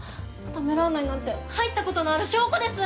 ためらわないなんて入ったことのある証拠です！